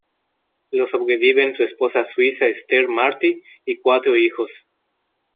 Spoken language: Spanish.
Lo sobreviven su esposa suiza Esther Marty y cuatro hijos.